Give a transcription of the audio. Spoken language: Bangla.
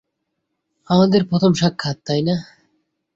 আমাদের প্রথম সাক্ষাৎ, তাই না?